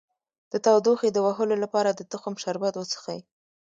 د تودوخې د وهلو لپاره د تخم شربت وڅښئ